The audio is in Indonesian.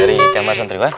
dari kamar santriwan